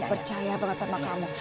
percaya banget sama kamu